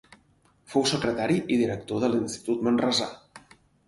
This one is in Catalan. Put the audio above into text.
Fou secretari i director de l'institut manresà.